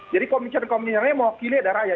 jadi komisioner komisionernya mewakili ada raya